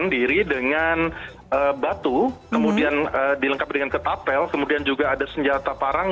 diri dengan batu kemudian dilengkapi dengan ketapel kemudian juga ada senjata parang